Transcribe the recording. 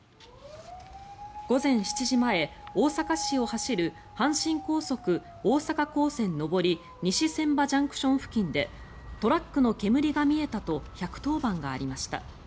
午前７時前、大阪市を走る阪神高速大阪港線上り西船場ＪＣＴ付近でトラックの煙が見えたと１１０番がありました。